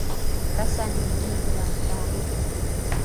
kasani mingtiao taiki